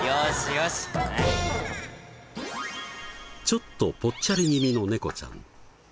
ちょっとぽっちゃり気味のネコちゃん。